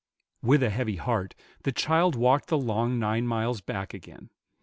With a heavy heart the child walked the long nine miles back again.